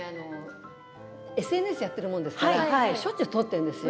私はＳＮＳをやっているものですからしょっちゅう撮っているんですよ